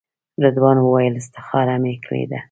رضوان وویل استخاره مې کړې ده.